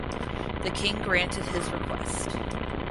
The king granted his request.